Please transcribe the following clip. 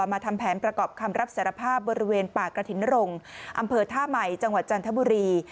มาทำแผนประกอบคำรับสารภาพบริเวณป่ากระถิ่นนรงค์อำเภอท่าใหม่จังหวัดจันทบุรี